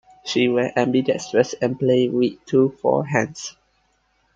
She was ambidextrous and played with two forehands.